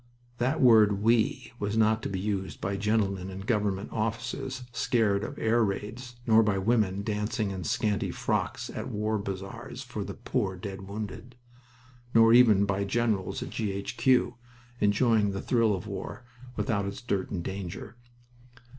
That word "we" was not to be used by gentlemen in government offices scared of air raids, nor by women dancing in scanty frocks at war bazaars for the "poor dear wounded," nor even by generals at G. H. Q., enjoying the thrill of war without its dirt and danger.